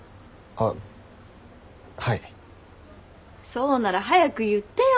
そうなら早く言ってよ！